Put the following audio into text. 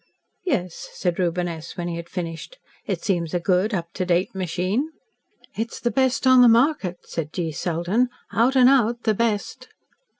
"Yes," said Reuben S., when he had finished, "it seems a good, up to date machine." "It's the best on the market," said G. Selden, "out and out, the best."